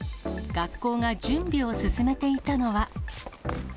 学校が準備を進めていたのは。